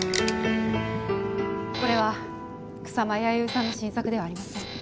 これは草間彌生さんの新作ではありません。